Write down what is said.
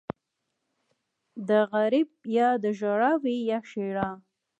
ـ د غريب يا ژړا وي يا ښېرا.